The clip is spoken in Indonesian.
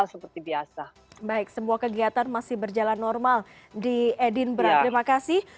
seperti biasa baik semua kegiatan masih berjalan normal di edinburgh terima kasih